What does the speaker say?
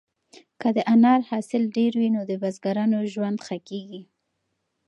که د انار حاصل ډېر وي نو د بزګرانو ژوند ښه کیږي.